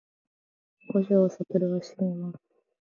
五条悟はしにます